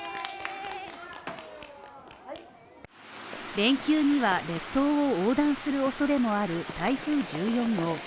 連休には列島を横断するおそれもある台風１４号